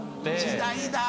時代だ。